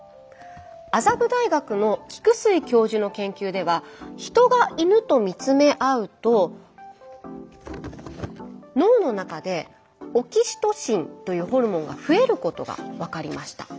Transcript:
麻布大学の菊水教授の研究では人が犬と見つめ合うと脳の中でオキシトシンというホルモンが増えることが分かりました。